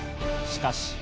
しかし。